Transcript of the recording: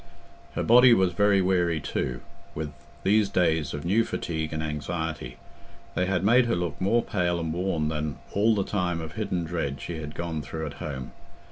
Her body was very weary too with these days of new fatigue and anxiety; they had made her look more pale and worn than all the time of hidden dread she had gone through at home.